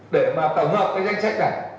để mà tổng hợp cái danh sách này